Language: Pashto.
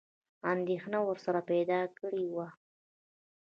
انېدښنه ورسره پیدا کړې وه.